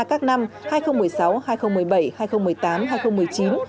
các năm hai nghìn một mươi sáu hai nghìn một mươi bảy hai nghìn một mươi tám hai nghìn một mươi chín